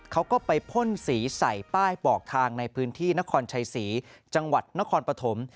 เขาก็ไปพ่นสีใส่ป้ายบอกทางในพื้นที่นครชัยศรีจังหวัดนครปฐม